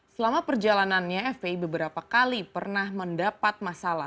selama perjalanannya fpi beberapa kali pernah mendapat masalah